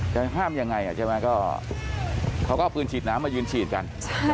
จะห้ามยังไงใช่ไหมก็เขาก็เอาปืนฉีดน้ำมายืนฉีดกัน